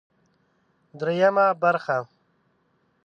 درېيمه برخه